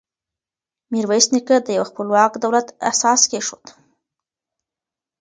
میرویس نیکه د یوه خپلواک دولت اساس کېښود.